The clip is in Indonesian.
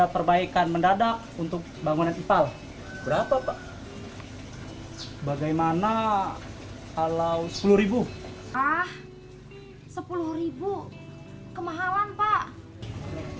perbaikan mendadak untuk bangunan ipal berapa pak bagaimana kalau sepuluh ribu ah sepuluh kemahalan pak